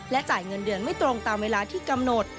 จ่ายเงินเดือนไม่ตรงตามเวลาที่กำหนด